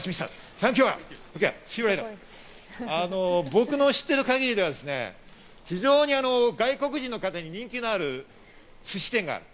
僕の知ってる限りではですね、非常に外国人の方に人気のあるすし店がある。